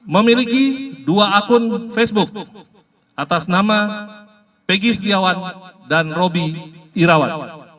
memiliki dua akun facebook atas nama peggy setiawan dan roby irawan